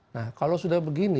nah kalau sudah begini